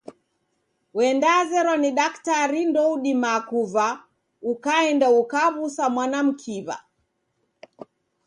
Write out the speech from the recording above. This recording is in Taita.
Wendazerwa ni daktrari ndoudima kuva, ukaenda ukaw'usa mwana mkiw'a.